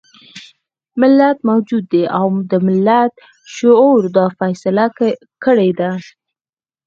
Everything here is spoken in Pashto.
ملت موجود دی او د ملت شعور دا فيصله کړې ده.